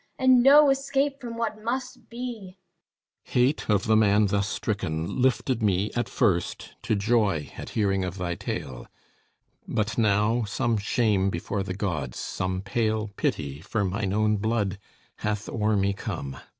And no escape from what must be! THESEUS Hate of the man thus stricken lifted me At first to joy at hearing of thy tale; But now, some shame before the Gods, some pale Pity for mine own blood, hath o'er me come.